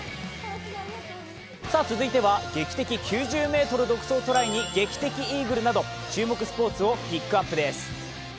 続いては劇的、９０ｍ独走トライに劇的イーグルなど、注目スポーツをピックアップです。